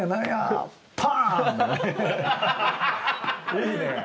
いいね。